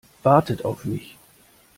Wartet auf mich!